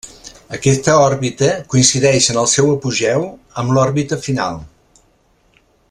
Aquesta òrbita coincideix en el seu apogeu amb l'òrbita final.